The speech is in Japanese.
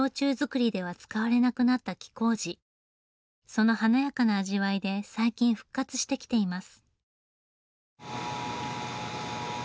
その華やかな味わいで最近復活してきています。